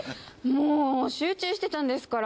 もう集中してたんですから。